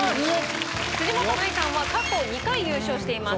辻元舞さんは過去２回優勝しています。